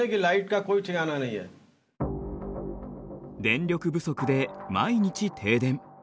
電力不足で毎日停電。